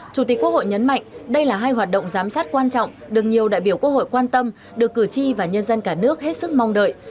chủ tịch quốc hội nhấn mạnh đây là hai hoạt động giám sát quan trọng được nhiều đại biểu quốc hội quan tâm được cử tri và nhân dân cả nước hết sức mong đợi